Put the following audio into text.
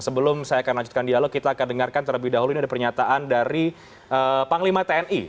sebelum saya akan lanjutkan dialog kita akan dengarkan terlebih dahulu ini ada pernyataan dari panglima tni